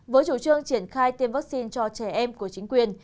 với chủ trương triển khai tiêm vaccine cho trẻ em của chính quyền